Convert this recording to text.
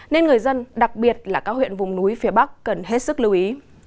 nên người dân đặc biệt là các huyện vùng núi phía bắc cần hết sức lưu ý